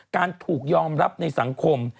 การถูกยอมรับในสังคม